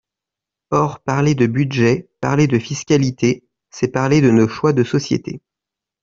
Or parler de budget, parler de fiscalité, c’est parler de nos choix de sociétés.